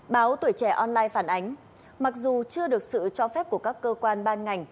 báo tuổi trẻ online phản ánh mặc dù chưa được sự cho phép của các cơ quan ban ngành